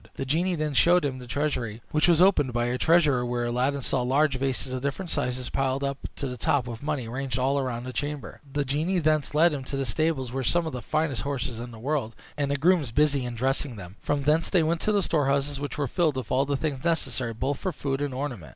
The genie then showed him the treasury, which was opened by a treasurer, where Aladdin saw large vases of different sizes, piled up to the top with money, ranged all round the chamber. The genie thence led him to the stables, where were some of the finest horses in the world, and the grooms busy in dressing them; from thence they went to the storehouses, which were filled with all things necessary, both for food and ornament.